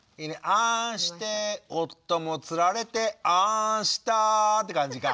「『あん』して夫もつられて『あん』した」って感じか。